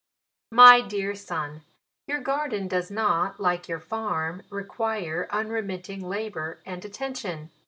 Mtf Dear Son, Your garden does not, like your farm* require unremitting labour and attention.